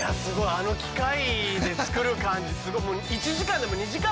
あの機械で作る感じすごい。